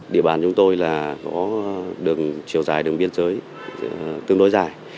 địa bàn chúng tôi là có đường chiều dài đường biên giới tương đối dài